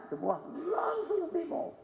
semua langsung timo